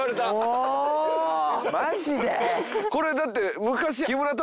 これだって。